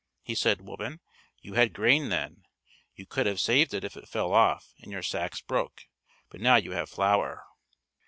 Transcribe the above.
He said, "Woman, you had grain then, you could have saved it if it fell off and your sacks broke, but now you have flour."